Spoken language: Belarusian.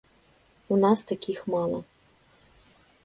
У нас такіх мала.